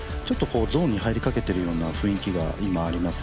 ゾーンに入りかけてるような雰囲気が今あります。